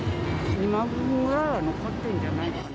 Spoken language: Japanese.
２万ぐらいは残ってんじゃないかな？